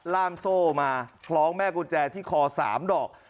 ล่ามโซ่มาคล้องแม่กุญแจที่คอ๓ดอก